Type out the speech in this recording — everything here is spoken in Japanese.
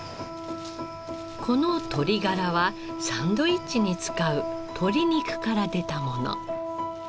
この鶏ガラはサンドイッチに使う鶏肉から出たもの。